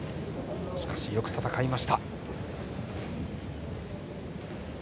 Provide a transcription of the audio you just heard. しかしよく戦いました。